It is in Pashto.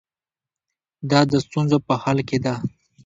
دا د ستونزو په حل کې ده.